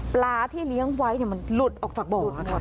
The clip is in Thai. ปลาที่เลี้ยงไว้มันหลุดออกจากบ่อค่ะ